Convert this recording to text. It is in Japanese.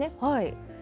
はい。